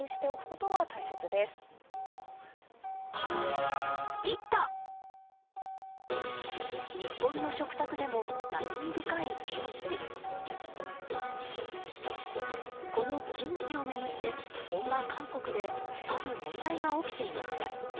このキムチを巡って本場・韓国である問題が起きていました。